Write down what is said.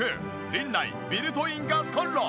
リンナイビルトインガスコンロ。